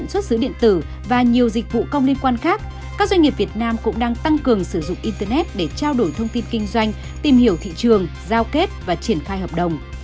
các doanh nghiệp việt nam cũng đang tăng cường sử dụng internet để trao đổi thông tin kinh doanh tìm hiểu thị trường giao kết và triển khai hợp đồng